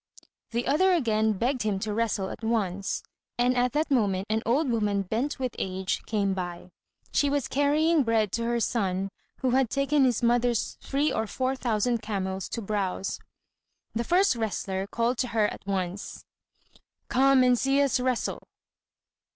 The other again begged him to wrestle at once, and at that moment an old woman bent with age came by. She was carrying bread to her son, who had taken his mother's three or four thousand camels to browse. The first wrestler called to her at once, "Come and see us wrestle."